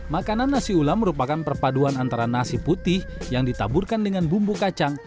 makanan nasi ulam merupakan perpaduan antara nasi putih yang ditaburkan dengan bumbu kacang